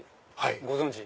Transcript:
ご存じ？